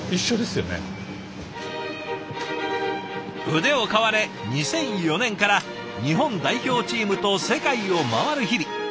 腕を買われ２００４年から日本代表チームと世界を回る日々。